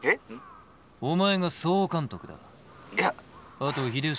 あと秀吉。